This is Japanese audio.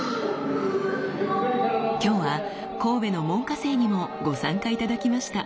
今日は神戸の門下生にもご参加頂きました。